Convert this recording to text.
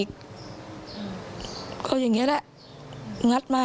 ก็เสียใจละ